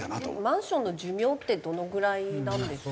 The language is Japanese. マンションの寿命ってどのぐらいなんですか？